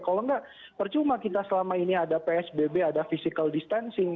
kalau enggak percuma kita selama ini ada psbb ada physical distancing